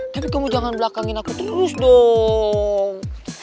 tapi kamu jangan belakangin aku terus dong